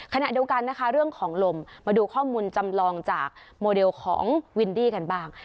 ขณะเดียวกันนะคะเรื่องของลมมาดูข้อมูลจำลองจากโมเดลของวินดี้กันบ้าง